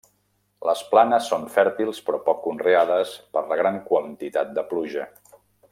Les planes són fèrtils però poc conreades per la gran quantitat de pluja.